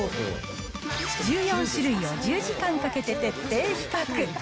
１４種類を１０時間かけて徹底比較。